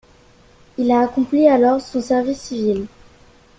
Il accomplit alors son service civil.